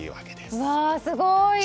すごい！